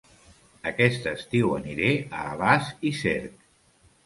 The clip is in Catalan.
Aquest estiu aniré a Alàs i Cerc